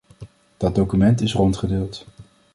Dat document is rondgedeeld.